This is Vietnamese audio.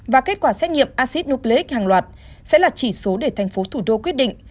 và kết quả xét nghiệm acid nucleic hàng loạt sẽ là chỉ số để thành phố thủ đô quyết định